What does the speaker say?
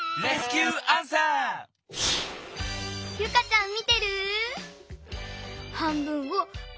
ユカちゃん見てる？